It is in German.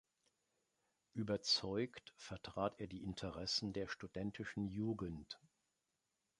Überzeugt vertrat er die Interessen der studentischen Jugend.